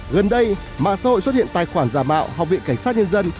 gần đây mạng xã hội xuất hiện tài khoản giả mạo học viện cảnh sát nhân dân